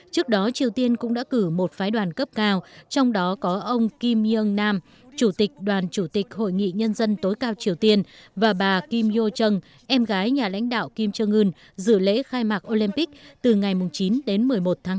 trước đó triều tiên cũng đã cử một phái đoàn cấp cao trong đó có ông kim yong nam chủ tịch đoàn chủ tịch hội nghị nhân dân tối cao triều tiên và bà kim yoon em gái nhà lãnh đạo kim trương ưn dự lễ khai mạc olympic từ ngày chín đến một mươi một tháng hai